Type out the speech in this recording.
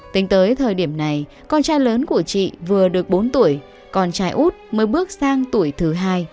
tính tới thời điểm này con trai lớn của chị vừa được bốn tuổi con trai út mới bước sang tuổi thứ hai